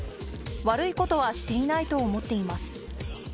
悪いことはしていないと思っています。